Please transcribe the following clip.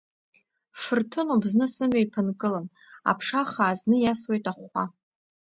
Фырҭынуп зны сымҩа еиԥынкылан, аԥша хаа зны иасуеит ахәхәа.